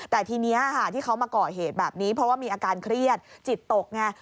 แต่ทีนี้ค่ะที่เขามาก่อเหตุแบบนี้เพราะว่ามีอาการเครียดจิตตกไง